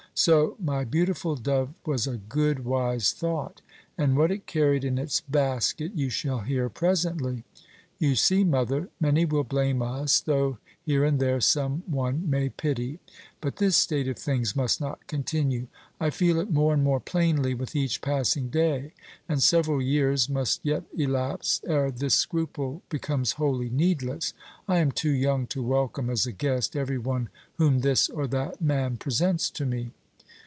So my beautiful dove was a good, wise thought, and what it carried in its basket you shall hear presently. You see, mother, many will blame us, though here and there some one may pity; but this state of things must not continue. I feel it more and more plainly with each passing day; and several years must yet elapse ere this scruple becomes wholly needless. I am too young to welcome as a guest every one whom this or that man presents to me.